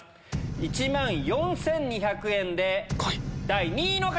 １万４２００円で第２位の方！